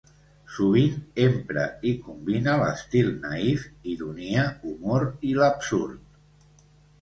Sovint empra i combina l'estil naïf, ironia, humor i l'absurd.